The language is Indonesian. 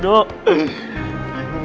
ini baru brother kita